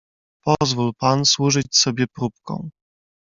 "Pozwól pan służyć sobie próbką."